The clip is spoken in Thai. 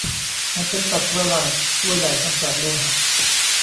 มันเป็นสัตว์ประหลาดตัวใหญ่ทำจากโลหะ